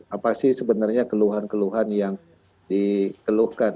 apa sih sebenarnya keluhan keluhan yang dikeluhkan